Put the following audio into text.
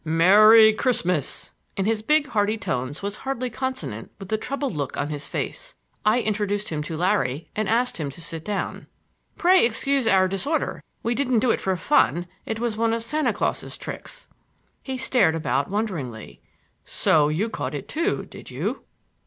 "Merry Christmas!" in his big hearty tones was hardly consonant with the troubled look on his face. I introduced him to Larry and asked him to sit down. "Pray excuse our disorder,—we didn't do it for fun; it was one of Santa Claus' tricks." He stared about wonderingly. "So you caught it, too, did you?"